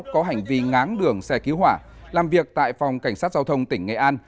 có hành vi ngáng đường xe cứu hỏa làm việc tại phòng cảnh sát giao thông tỉnh nghệ an